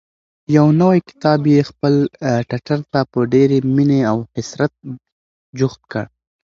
یو نوی کتاب یې خپل ټټر ته په ډېرې مینې او حسرت جوخت کړ.